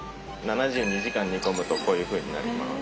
７２時間煮込むとこういうふうになります。